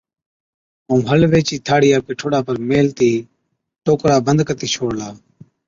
ائُون حلوي چِي ٿاڙهِي آپڪي ٺوڏا پر ميهلتِي ٿوڪرا بند ڪتِي ڇوڙلا۔